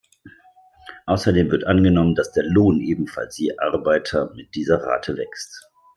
Außerdem wird angenommen, dass der Lohn ebenfalls je Arbeiter mit dieser Rate wächst.